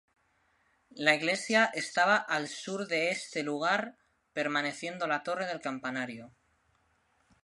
La iglesia estaba al sur de este lugar permaneciendo la torre del campanario.